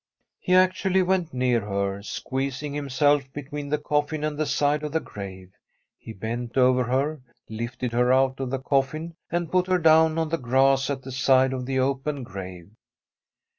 He actually went near her, squeezing himself between the coffin and the side of the grave. He bent over her, lifted her out of the coffin, and put her down on the grass at the side of the open grave.